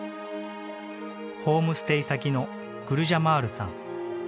ホームステイ先のグルジャマールさん。